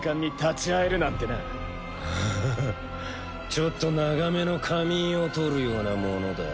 ちょっと長めの仮眠をとるようなものだ。